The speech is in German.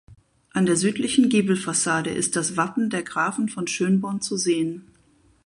An der südlichen Giebelfassade ist das Wappen der Grafen von Schönborn zu sehen.